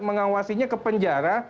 mengawasinya ke penjara